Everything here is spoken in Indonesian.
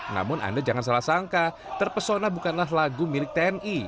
namun anda jangan salah sangka terpesona bukanlah lagu milik tni